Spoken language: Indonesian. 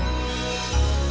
ya terima kasih